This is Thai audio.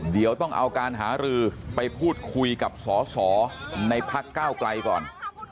เดี๋ยวต้องเอาการหารือไปพูดคุยกับสอสอในพักก้าวไกลก่อน